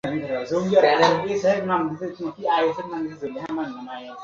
এটা তো আমার বাবা চেয়েছিল।